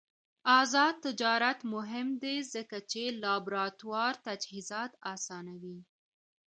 آزاد تجارت مهم دی ځکه چې لابراتوار تجهیزات اسانوي.